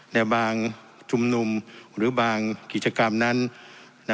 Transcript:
ในบางชุมนุมหรือบางกิจกรรมนั้น